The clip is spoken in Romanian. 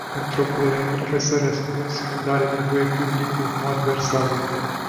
Într-o polemică să răspunzi când are nevoie publicul, nu adversarul.